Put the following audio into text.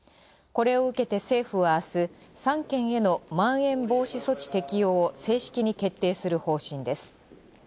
これを受けて政府は明日３県へのまん延防止措置適用を正式に決定する方針です。